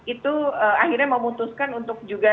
itu akhirnya memutuskan untuk juga